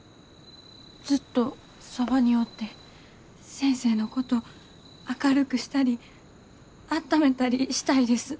ずっとそばにおって先生のこと明るくしたりあっためたりしたいです。